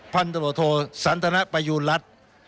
พันธุโรโทษสันตนักประยุรัติ